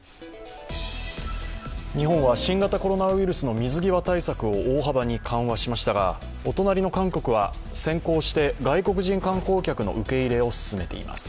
日本は新型コロナウイルスの水際対策を大幅に緩和しましたが、お隣の韓国は先行して外国人観光客の受け入れを進めています。